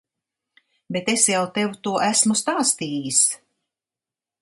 Bet es jau tev to esmu stāstījis?